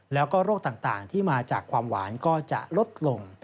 แล้วก็โรคต่างที่มาจากความหวานก็จะลดลง